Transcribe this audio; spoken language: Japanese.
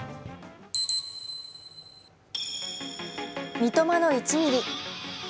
三笘の１ミリ。